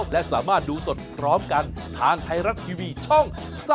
และสามารถดูสดพร้อมกันทางไทยรัฐทีวีช่อง๓๒